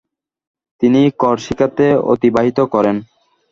তিনি করসিকাতে অতিবাহিত করেন।